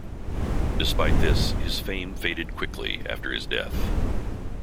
Despite this, his fame faded quickly after his death.